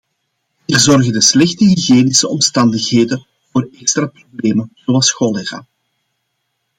Hier zorgen de slechte hygiënische omstandigheden voor extra problemen zoals cholera.